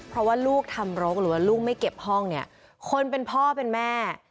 เพราะว่าลูกทำรกหรือว่าลูกไม่เก็บห้องเนี่ยคนเป็นพ่อเป็นแม่